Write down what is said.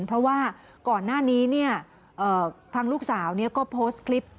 เพราะว่าก่อนหน้านี้ทางลูกสาวก็โพสต์คลิป